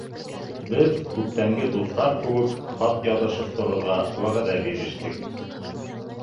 Беҙ, күптәнге дуҫтар кеүек, хат яҙышып торорға вәғәҙә бирештек.